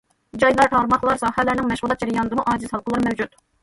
جايلار، تارماقلار، ساھەلەرنىڭ مەشغۇلات جەريانىدىمۇ ئاجىز ھالقىلار مەۋجۇت.